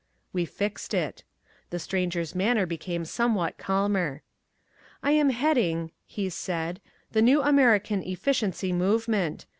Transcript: We fixed it. The Stranger's manner became somewhat calmer. "I am heading," he said, "the new American efficiency movement.